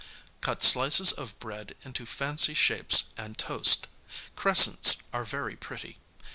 Cut slices of bread into fancy shapes and toast; crescents are very pretty.